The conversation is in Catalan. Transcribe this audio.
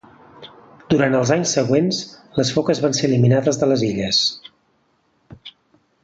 Durant els anys següents, les foques van ser eliminades de les illes.